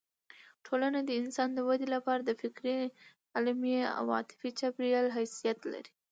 ټولنه د انسان د ودې لپاره د فکري، علمي او عاطفي چاپېریال حیثیت لري.